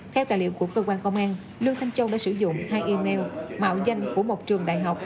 theo tài liệu của cơ quan công an lương thanh châu đã sử dụng hai email mạo danh của một trường đại học